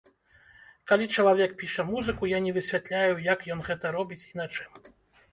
Калі чалавек піша музыку, я не высвятляю, як ён гэта робіць і на чым.